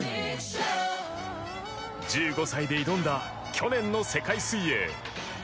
１５歳で挑んだ去年の世界水泳。